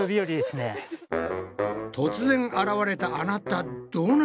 突然現れたあなたどなた？